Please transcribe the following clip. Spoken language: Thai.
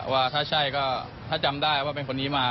ว่าถ้าใช่ก็ถ้าจำได้ว่าเป็นคนนี้มา